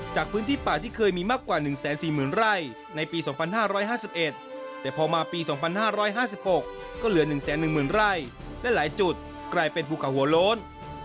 จากพื้นที่ป่าที่เคยมีมากกว่า๑๔๐๐๐ไร่ในปี๒๕๕๑แต่พอมาปี๒๕๕๖ก็เหลือ๑๑๐๐๐ไร่และหลายจุดกลายเป็นภูเขาหัวโล้น